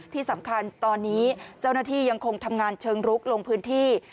ที่สำคัญตอนนี้เจ้าหน้าที่ยังคงทำงานเชิงลุกลงพื้นที่